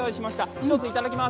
１つ、いただきます。